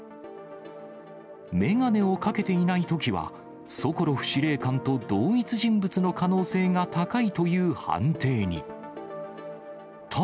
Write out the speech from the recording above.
眼鏡をかけていないときは、ソコロフ司令官と同一人物の可能性が高いという判定に。